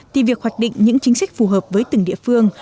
thì việc hoạch định những chính sách phù hợp với từng địa phương